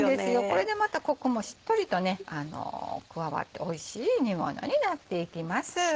これでまたコクもしっとりと加わっておいしい煮物になっていきます。